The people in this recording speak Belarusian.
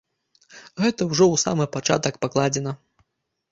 Гэта ўжо ў самы пачатак пакладзена.